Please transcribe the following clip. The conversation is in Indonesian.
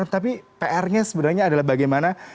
tapi pr nya sebenarnya adalah bagaimana